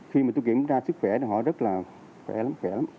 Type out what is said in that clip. khi mà tôi kiểm tra sức khỏe thì họ rất là khỏe lắm khỏe lắm